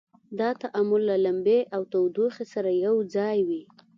دا تعامل له لمبې او تودوخې سره یو ځای وي.